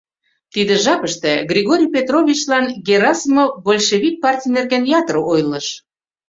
Тиде жапыште Григорий Петровичлан Герасимов большевик партий нерген ятыр ойлыш.